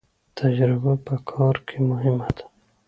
تجربه په کار کې مهمه ده